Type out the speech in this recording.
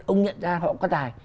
ông nhận ra họ có tài